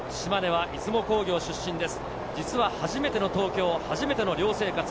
島根は出雲工業出身です。